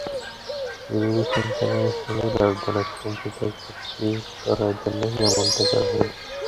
Television চ্যানেলগুলোর সঙ্গে লাভজনক সম্প্রচার চুক্তি করার জন্যই এমনটা করা হয়েছে।